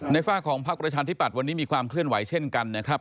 ฝากของพักประชาธิบัตย์วันนี้มีความเคลื่อนไหวเช่นกันนะครับ